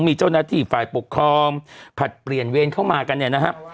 มีเจ้าหน้าที่ฝ่ายปกครองผลัดเปลี่ยนเวรเข้ามากันเนี่ยนะครับ